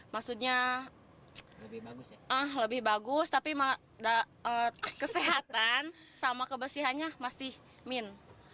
maksudnya lebih bagus tapi kesehatan sama kebersihannya masih min